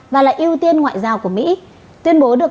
và là ưu tiên của các nhà tài năng